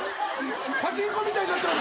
パチンコみたいになってます。